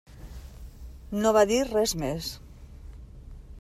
No va dir res més.